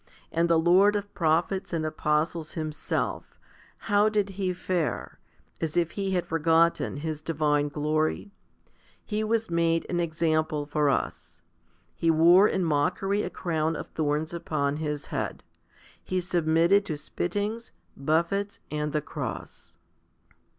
And the Lord of prophets and apostles Himself, how did He fare, as if He had forgotten His divine glory ? He was made an example for us ; He wore in mockery a crown of thorns upon His head ; He submitted to spittings, buffets, and the cross.